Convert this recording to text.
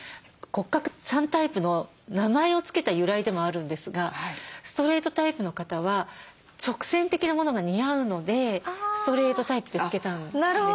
骨格３タイプの名前を付けた由来でもあるんですがストレートタイプの方は直線的なものが似合うのでストレートタイプって付けたんです。